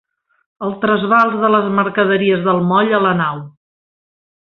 El trasbals de les mercaderies del moll a la nau.